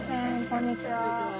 こんにちは。